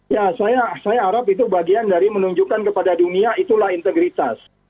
ya saya harap itu bagian dari menunjukkan kepada dunia itulah integritas